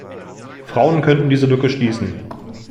Frauen könnten diese Lücke schließen.